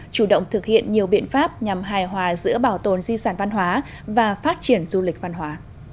chủ động thực hiện nhiều biện pháp nhằm hài hòa giữa bảo tồn di sản văn hóa và phát triển du lịch văn hóa